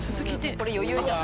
これ余裕じゃん。